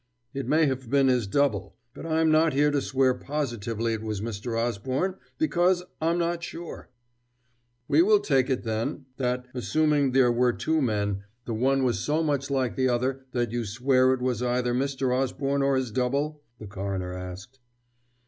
It may have been his double, but I'm not here to swear positively it was Mr. Osborne, because I'm not sure." "We will take it, then, that, assuming there were two men, the one was so much like the other that you swear it was either Mr. Osborne or his double?" the coroner said.